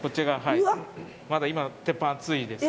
まだ今、鉄板熱いです。